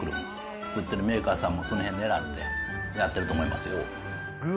作ってるメーカーさんも、そのへんねらってやってると思いますよ。